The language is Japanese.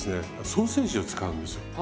ソーセージを使うんですよ。